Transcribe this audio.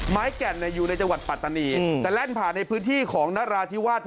ไม้แก่นแหล่นอยู่ในจังหวัดปาตนีก็แล่นผ่านในพื้นที่ของนราธิวาส